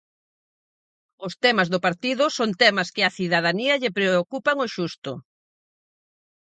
Os temas do partido son temas que á cidadanía lle preocupan o xusto.